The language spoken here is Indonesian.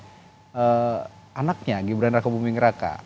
jangan sekali dihadiri juga oleh anaknya gibran raka buming raka